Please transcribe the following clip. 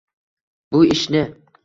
Bu ishni.